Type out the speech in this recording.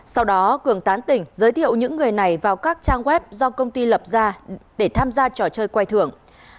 sau đó cường tán tỉnh giới thiệu những người này vào các trang web do công ty lập ra để tham gia trò chơi quay thưởng